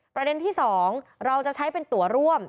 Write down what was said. ประเด็นที่๒เราจะใช้เป็นตัวร่วม